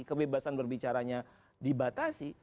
kebebasan berbicaranya dibatasi